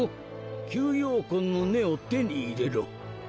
「吸妖魂の根」を手に入れろ。